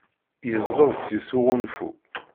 Yezlez seg -s uɣunfu.